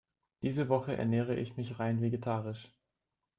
Diese Woche ernähre ich mich rein vegetarisch.